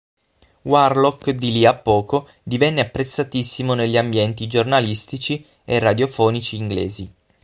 Warlock di li a poco divenne apprezzatissimo negli ambienti giornalistici e radiofonici inglesi.